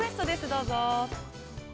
どうぞ。